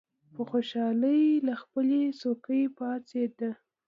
په خوشالۍ له خپلې څوکۍ پاڅېد.